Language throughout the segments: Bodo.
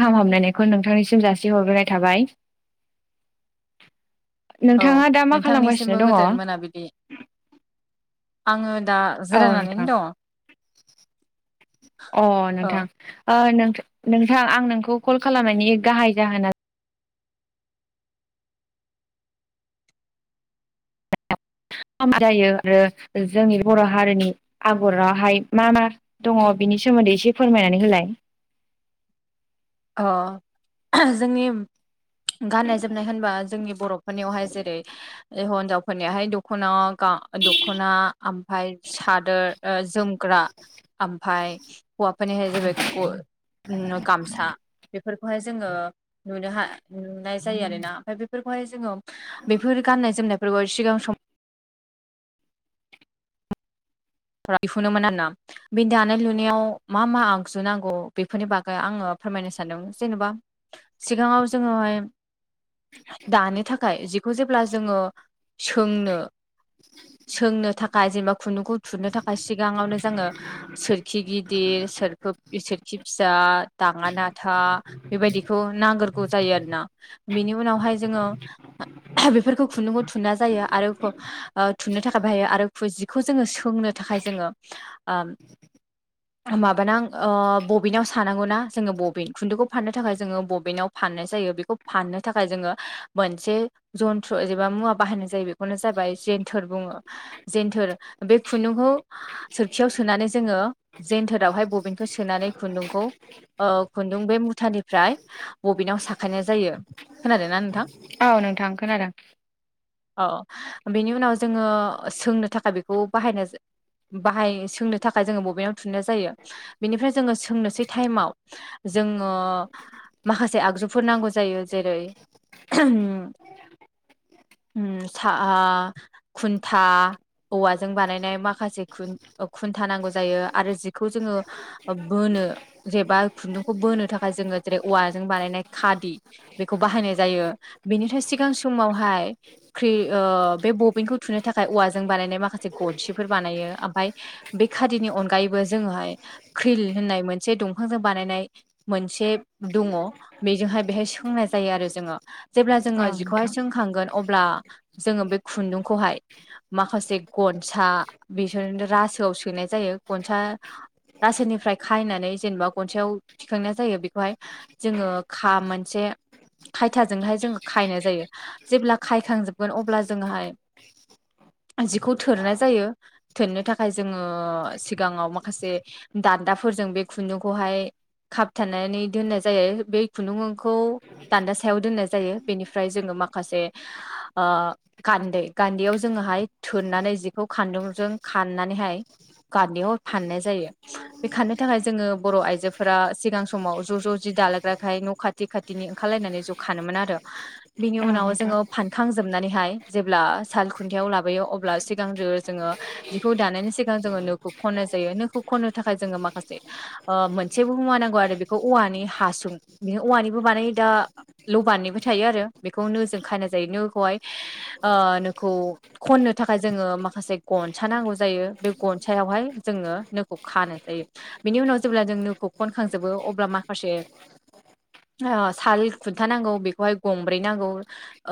गाहाम हामलायनायखौ नोंथांनिसिम जासिहरग्रोनाय थाबाय औ नोंथाङा दा मा खालामगासिनो नोंथांनिसिमबो दङ औ गोजोन मोनाबिलिनि आङो दा औ जिरायनानैनो नोंथां अ नोंथां दङ ओ नों थां नोंथां आं नोंखौ कल खालामनायनि गाहाय जाहोना जायो आरो जोंनि बर' हारिनि आगरावहाय मा मा दङ बिनि नि सोमोनदै एसे फोरमायनानै होलाय अ जोंनि गाननाय जोमनाय होनबा जोंनि बर'फोरनियावहाय जेरै हिनजावफोरनियावहाय दख'ना दख'ना ओमफ्राय सादोर ऐ जोमग्रा ओमफ्राय हौवाफोरनियाहाय जाबाय गामसा बेफोरखौहाय जोङो नुनो हा नुनाय जायो आरोना ओमफ्राय बेफोरखौहाय जोङो बेफोर गाननाय जोमनायफोरावहाय सिगां सम फ्रा दिहुनोमोन आरोना बे दानाय लुनायाव मा मा आगजु नांगौ बेफोरनि बागै आङो फोरमायनो सानदों जेनेबा सिगाङाव जोङोहाय दानो थाख खाय जिखौ जेब्ला जोङो सोंनो सोंनो थाखाय जेनेबा खुनदुंखौ थुननो थाखाय सिगाङावनो जोङो सोरखि गिदिर सोरखो सोरखि फिसा दाङा नाथा बेबायदिखौ नांगोरगौ जायो आरोना बेनि उनावहाय जोङो बेफोरखौ खुन्दुंखौ थुनना जायो आरो थुननो थाखाय बाहायो आरो जिखौ जोङो सो खोंनो थाखाय जोङो ओम माबानां ओ बबिनाव सानांगौ ना जोङो बबिन खुन्दुंखौ फाननो थाखाय जोङो बबिनाव फाननाय जायो बेखौ फाननो थाखाय जोङो मोनसे जन्थ्र एबा मुवा बाहायनाय जायो बेफोरनो जा बाय जेन्थोर बुङो जेन्थोर बे खुन्दुंखौ सोरखियाव सोनानै जोङो जेन्थोरावहाय बबिनखौ सोनानै खुन्दुंखौ ओ खुन्दुं बे मुथानिफ्राय बबिनाव साखानाय जायो खोनादों ना नोंथां औ नोंथां खोनादों औ बेनि उनाव जोङो सोंनो थाखाय बेखौ बाहायनाय बाहाय सोंनो थाखाय जोङो बबिनाव थुननाय जायो बेनिफ्राय जोङो सोंनोसै टाइमाव जोङो माखासे आगजुफोर नांगौ जायो जेरै [unintelligible] उम आ खुन्था औवाजों बानायनाय माखासे खुन ओ खुन्था नांगौ जायो आरो जिखौ जोङो बोनो जेबा खुन्दुंखौ बोनो थाखाय जोङो जेरै औवाजों बानायनाय खादि बेखौ बाहायनाय जायो बेनिथाय सिगां समावहाय ख्रि ओ बे बबिनखौ थुनो थाखाय औवाजों बानायनाय माखासे गनसिफोर बानायो आमफाय बे खादिनि अनगायैबो जोङोहाय क्रिल होननाय मोन से दंफांजों बानायनाय मोनसे दङ बेजोंहाय बेहाय सोंनाय जायो आरो जोङो जेब्ला औ जोङो जिखौहाय नोंथां सोंखांगोन अब्ला जोङो बे खुन्दुंखौहाय माखासे गनसा बिसोन रासोआव सोनाय जायो गनसा रासोनिफ्राय खायनानै जेनेबा गनसायाव थिखांनाय जायो बेखौहाय जोङो खा मोनसे खायथाजोंहाय जोङो खायनाय जायो जेब्ला खायखां जोबगोन अब्ला जोङोहाय जिख खौ थोरनाय जायो थोननो थाखाय जोङो सिगाङाव माखासे दान्दाफोरजों बे खुन्दुंखौहाय खाबथानानै दोननाय जायो बै खुन्दुंखौ दान्दा सायाव दोननाय नाय जायो बेनिफ्राय जोङो माखासे ओ गान्दै गान्दैयाव जोङोहाय थोननानै जिखौ खानजंजों खाननानैहाय गान्दैयाव फाननाय जायो बे खाननो थाखाय जोङो बर' आइजोफोरा सिगां समाव ज' ज' जि दालायग्राखाय न' खाथि खाथिनि ओंखारलायनानै ज खोनोमोन आरो बिनि औ उनाव नोंथां जोङो फानखां जोब नानैहाय जेब्ला साल खुन्थायाव लाबो बोयो अब्ला सिगांग्रो जोङो जिखौ दानायनि सिगां जोङो नोखौ खनाय जायो नोखौ खनो थाखाय जोङो माखासे ओ मोनसेबो मुवा नांगौ आरो बेखौ औवानि हासुं बि औवानिबो बानायो दा लबारनिबो थायो आरो बेखौ नोजों खानाय जायो नोखौहाय ओ नोखौ खननो थाखाय जोङो माखासे गनसा नांगौ जायो बे गनसायावहाय जोङो नोखौ खानो जायो बेनि उनाव जेब्ला जोङो नोखौ खनखांजोबो अब्ला माखासे ओ साल खुन्था नांगौ बेखौहाय गंब्रै नांगौ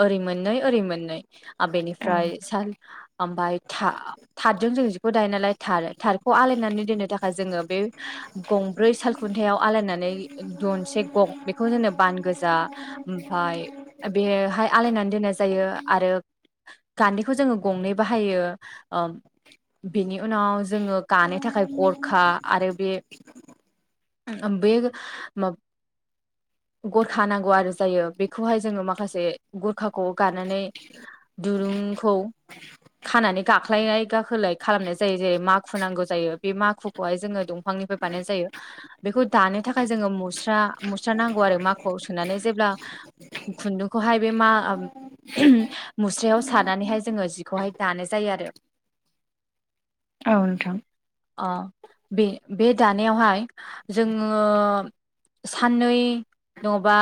ओरै मोननै ओरै मोननै आ औ बेनिफ्राय साल आमफाय था थाथजों जों जिखौ दायो नालाय थार थारखौ आलायनानै दोननो थाखाय जों जोङो बे गंब्रै सालखुन्थायाव आलायनानै दनसे गं बेखौ जोंनो बानगोज जा ओमफाय बेहाय आलायनानै दोननाय जायो आरो गान्दैखौ जोङो गंनै बाहायो ओम बेनि उनाव जोङो गानो थाखाय गरखा आरो बे बे माब गरखा नांगौ आरो जायो बेखौहाय जोङो माखासे गरखाखौ गारनानै दुरुंखौ खानानै गाख्लायाय गाखोलाय खालामनाय जायो जेरै माखु नांगौ जायो बे माखुखौहाय जोङो दंफां निफाय बानाय जायो बिखौ दानो थाखाय जोङो मुस्रा मु स्रा नांगौ आरो माखुवाव सोनानै जेब्ला खुनदुंखौहाय बे मा [unintelligible] मुस्रियाव सानानैहाय जोङो जिख खौहाय दानाय जायो आरो औ नोंथां अ बे बे दानायावहाय जोङो साननै दङ'बा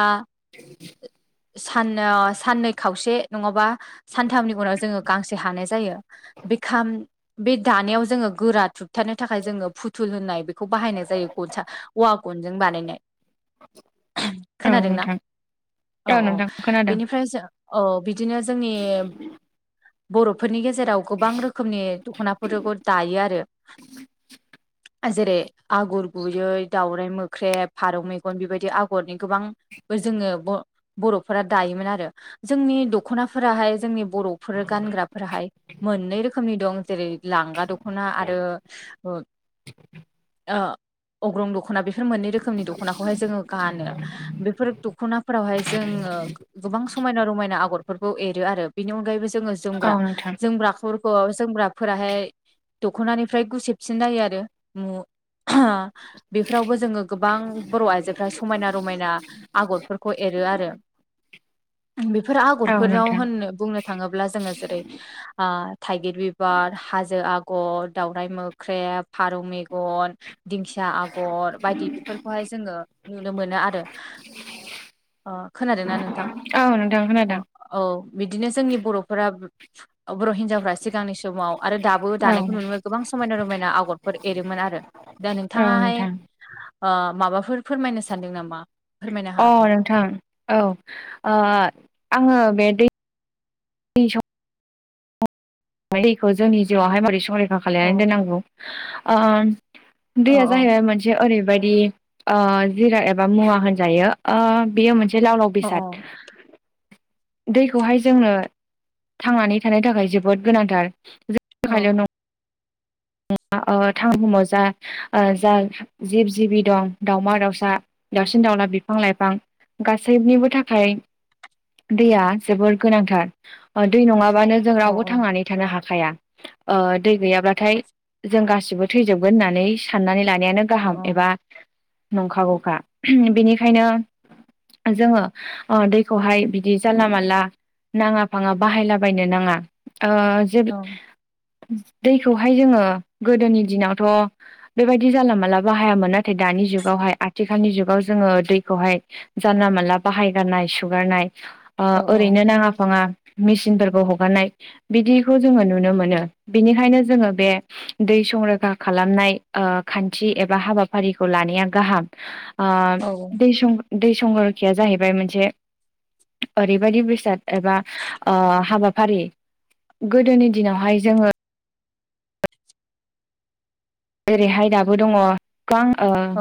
सान साननै खावसे नङाबा सानथामनि उनाव जोङो गांसे हानाय जायो बे खाम बे दानायाव जोङो गोरा थुबथानो थाखाय जोङो फुथुल होननाय बेखौ बाहायनाय जायो गसा उवा गनजों बानायनाय औ खोनादोंना नोंथां औ औ नोंथां खोनादों बेनिफ्राय जो औ बिदिनो जोंनि बर'फोरनि गेजेराव गोबां रोखोमनि दख'नाफोरखौ दायो आरो [inaudible] जेरै आगर गुयै दावराइ मोख्रेब फारौ मेगन बेबायदि आगरनि गोबां जोङो ब बर'फोरा दायोमोन आरो जोंनि दख'नाफोराहाय जोंनि बर'फोर गानग्राफोराहाय मोननै रोखोमनि दं जेरै लांगा दख'ना आरो ओ ओ अग्रं दख'ना बेफोर मोननै रोखोमनि दख'नाखौहाय जोङो गानो बेफोर दख'नाफोरावहाय जोङो गोबां समायना-रमायना आगरफोरखौ एरो आरो बेनि अनगायैबो जो जोङो औ जोमग्रा नोंथां जोमग्राफोरखौ जोमग्रा फोराहाय दख'नानिफ्राय गुसेबसिन जायो आरो म [unintelligible] बेफोरावबो जोङो गोबां बर' आइजोफ्रा समायना रमायना आगरफोरखौ एरो आरो बेफोर औ आगरफोराव नोंथां होननो बुंनो थाङोब्ला जोङो जेरै ओ थाइगिर बिबार, हाजो आगर, दावराइ मोख्रेब फारौ मेगन, दिंखिया आगर बायदि बेफोरखौहाय जोङो नुनो मोनो आरो ओ खोनादों ना नोंथां? औ नोंथां अ खोनादों औ बिदिनो जोंनि बर'फोरा बर' हिनजावफ्रा सिगांनि समाव आरो दाबो औ दानायखौ नुनो मोनो गोबां समायना-रमायना आगरफोर एरोमोन आरो दा औ नोंथाङाहाय नोंथां ओ माबाफोर फोरमायनो सानदों नामा? फोरमायनो अ हागोन नोंथां औ ओ आङो बे दै दैखौ जोंनि जिउवावहाय मारै संरैखा अ खालायनानै दोननांगौ ओ अ दैया अ जाहैबाय मोनसे ओरै बायदि ओ जिरा एबा मुवा होनजायो ओ बेयो मोनसे जे लाव लाव अ बेसाद दैखौहाय जोंनो थांनानै थानो थाखाय जोबोद गोनांथार औ थाखायल' नङा [inaudible] ओ थां बुुहुमाव ओ जा ओ जा जिब-जिबि दं दावमा-दाउसा, दाउसिन-दाउ बिफां-लाइफां गासैनिबो थाखाय दैया जोबोर गोनांथार दै नङाब्ला। बानो जों रावबो अ थांनानै थानो हाखाया ओ दै गैयाब्लाथाय जों गासिबो थैजोबगोन होननानै साननानै लानायानो गाहाम एबा नंखागौखा बेनिखायनो। जोङो ओ दैखौहाय बिदि जानला-मानला। नाङा फाङा बाहायलाबायनो नाङा। ओ जेब अ दैखौहाय जोङो। गोदोनि दिनावथ' बेबायदि जाला माला बाहायामोन नाथाय दानि जुगावहाय आथिखालनि जुगाव। जोङो दैखौहाय जानला मोनला बाहायगारनाय सुगारनाय। ओ अ औ ओरैनो नाङा फाङा। मेसिनफोरखौ हगारनाय बिदिखौ जोङो नुनो मोनो बिनिखायनो जोङो बे। दै संरैखा खालामनाय ओ खान्थि एबा हाबाफारिखौ लानाया गाहाम। औ दै सं दै संरैखाया जाहैबाय मोनसे। ओरैबायदि बेसाद एबा ओ हाबाफारि। गोदोनि दिनावहाय जोङो जेरैहाय दाबो दङ गोबां ओ औ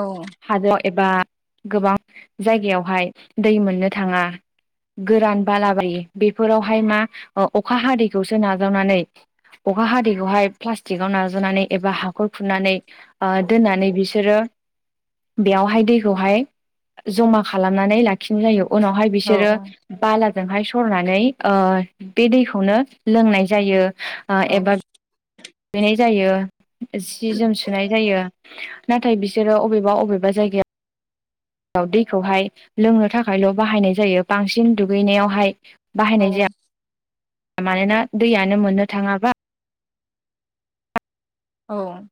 हादर एबा गोबां जायगायावहाय दै मोननो थाङा। गोरान बालाबायो बेफोरावहाय मा अखा हादैखौसो नाजावनानै। अखा हादैखौहाय प्लास्टिकआव नाजानानै एबा हा। खर खुनानै दोननानै बिसोरो। बेयावहाय दैखौहाय जमा खालामनानै लाखिनाय जायो। उनावहाय औ बिसोरो बाला। जोंहाय सरनानै ओ बे दैखौनो लोंनाय जायो। ओ औ। एबा दुगैनाय जायो जि जोम सुनाय जायो। नाथाय बिसोरो अबेबा अबेबा जायगाया। व दैखौहाय लोंनो थाखायल' बाहायनाय जायो बांसिन दुगैनायावहाय। औ बाहायनाय जाया। मानोना दैयानो मोननो थाङाबा। औ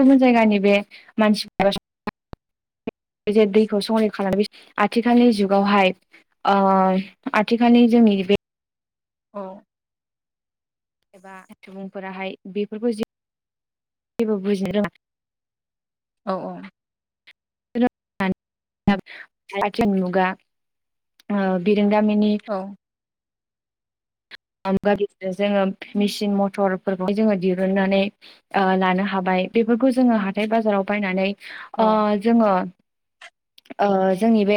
गुबुन जायगानि बे मानसिफोरा। बे जे दैखौ संरैखा खालामो आथिखालनि जुगावहाय। ओ आथिखालनि जोंनि बे औ। एबा सुबुंफोराहाय बेफोरखौ जि जेबो बुजिनो रोङा। औ औ। भारतयान मुगा ओ बिरोंदामिनि [unintelligible] जोङो मेसिन मथरफोरखौहाय जोङो दिरुननानै लानो हाबाय। बेफोरखौ जोङो हाथाय बाजाराव बायनानै ओ जोङो। [unintelligible] ओ जोंनि बे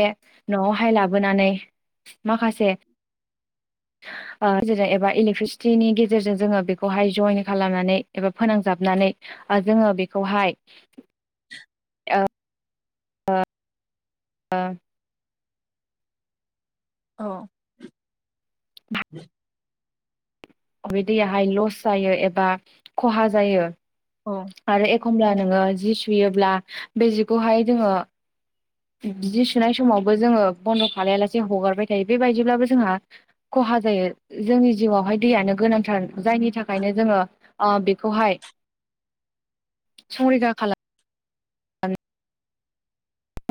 न'आवहाय लाबोनानै माखासे। [unintelligible] ओ गेजेरजों एबा इलेकट्रिसिटिनि गेजेरजों जोङो बेखौहाय जयन खालामनानै एबा फोनांजाबनानै। जोङो बेखौहाय औ औ। औ। बे दैयाहाय लस जायो एबा खहा जायो। औ। आरो एखमब्ला नोङो जि सुयोब्ला बे जिखौहाय जोङो। जि सुनाय समावबो जोङो बन्द' खालाया लासे हगारबाय थायो बेबायदिब्लाबो जोंहा खहा हा जायो जोंनि जिउआवहाय दैयानो गोनांथार जायनि थाखायनो जोंङो ओ बेखौहाय [unintelligible] संरैखा खाला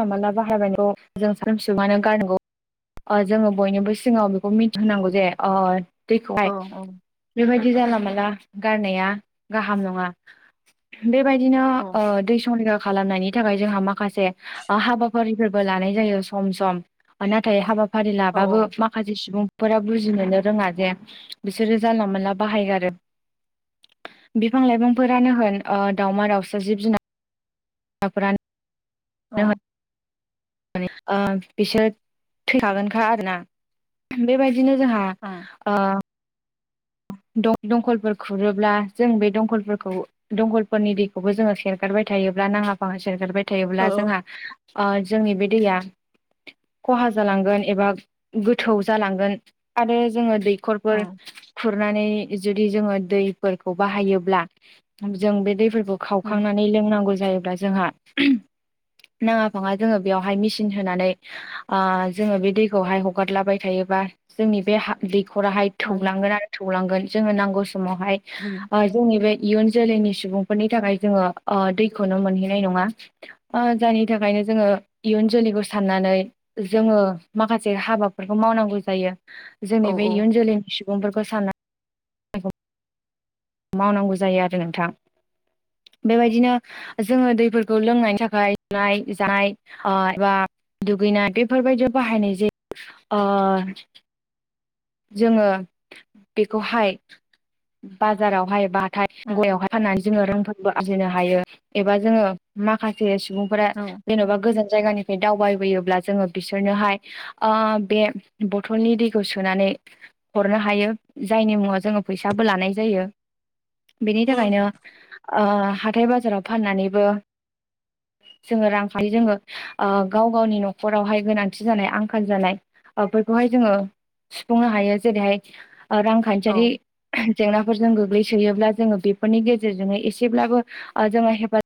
मोनला बाहायबायनायखौ जों सान [unintelligible] गारनांगौ ओ जोङो बयनिबो सिगाङाव बेखौ मिथिहोनांगौ जे दैखौहाय औ बेबायदि जानला मोनला गारनाया गाहाम नङा बेबायदिनो दै संलिरैखा खालामनायनि थाखाय जोंहा माखासे हाबाफारिफोरबो लानाय जायो सम सम नाथाय हाबाफारि लाबाबो माखासे सुबुं फोर बुजिनोनो रोङा जे बिसोरो जानला मोनानला बाहायगारो बिफां लाइफांफोरानो होन दाावमा दाउसा जिब जुनार फोरा औ ओ बिसोर थैखागोनखा आरोना। बेबायदि बिदिनो जोंहा [inaudible] दंखलफोर खुरोब्ला जों बे दंखलफोरखौ दंखलफोरनि दैखौबो जोङो सेरगारबाय थायो जब्ला नांला फाङा सेरगारबाय थायोब्ला जोंहा जोंनि बे दैया खहा जालांगोन एबा गोथौ जालांगोन आरो जोङो दै खरफोर खुरनानै जुदि जोङो दैफोरखौ बाहायोब्ला जों बे दै खावखांनानै लोंनांगौ जायोब्ला जोंहा नाङा फाङा जोङो बेयावहाय मेसिन होनानै जोङो बे दैखौहाय हगारलाबाय थायो। जोंनि बे हाखराहाय थौलांगोन आरो थौलांगोन जोंङनो नांगौ समावहाय जोंनि बे इयुन जोलैनि सुबुंफोरनि थाखाय जोङो दैखौनो मोनहैनाय नङा जायनि थाखायनो जोङो इ युन जोलैखौ साननानै जोङो माखासे हाबाफोरखौ मावनांगौ जायो। जोंनि बे इयुन जोलैनि सुबुंफोरखौ साननानै मावनांगौ जायो आरो नोंथां बेबायदिनो जोङो दैफोरखौ लोंनायनि थाखायनाय जानाय एबा दुगैनाय बेफोरबायदियाव बाहायनाय जायो। जोङो बेखौहाय बाजारावहाय बा हाथाइ फाननानै जोङो रोंबो आरजिनो हायो एबा जोङो माखासे सुबुंफोरा जेन'बा गोजान जायगानि बे दावबायबोयोब्ला जोङो बिसोरनोहाय बे बथलनि दैखौ सोनानै हरनो हायो जायनि मुङाव जोङो फैसाबो लानाय जायो। बेनि थाखायनो हाथथाय बाजाराव फाननानैबो जोङो रांखाव जोङो गाव गावनि न'खरावहाय गोनांथि जानाय आंखाल जानाय फोरखौहाय जोङो सुफुंनो हायो जेरैहाय औ रांखान्थियारि जेंनाफोरजों गोग्लैसोयोब्ला जोङो बेफोरनि गेजेरजों एसेब्लाबो जोङो हेफाजाब